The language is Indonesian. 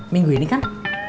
minggu ini kan